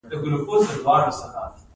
د خوب د ښه کیدو لپاره باید څه شی وڅښم؟